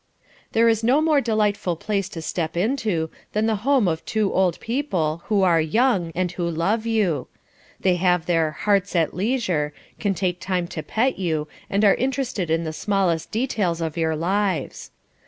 There is no more delightful place to step into, than the home of two old people, who are young, and who love you; they have their "hearts at leisure," can take time to pet you, and are interested in the smallest details of your lives.